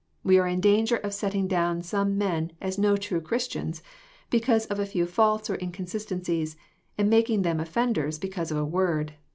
We are in djinger of setting down some men as no true Christianj^ because of a few faults or inconsistencies, and *^ making them offenders because of a word."